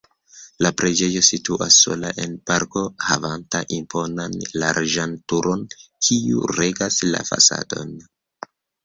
La preĝejo situas sola en parko havanta imponan larĝan turon, kiu regas la fasadon.